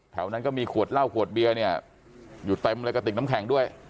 นั้นก็มีขวดเหล้าขวดเบียร์เนี่ยอยู่เต็มเลยกระติกน้ำแข็งด้วย